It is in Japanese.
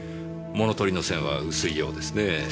物盗りの線は薄いようですねぇ。